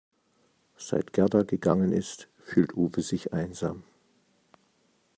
Seit Gerda gegangen ist, fühlt Uwe sich einsam.